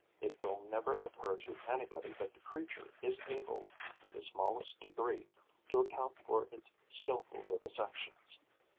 It will never occur to anybody that the creature is able, in the smallest degree, to account for its skilful vivisections.